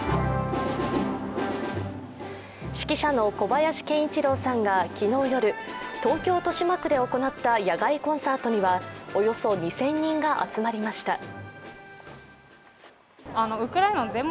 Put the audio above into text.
指揮者の小林研一郎さんが昨日夜、東京・豊島区で行った野外コンサートにはおよそ２０００人が集まりました。